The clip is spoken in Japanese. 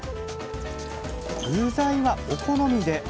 具材はお好みで！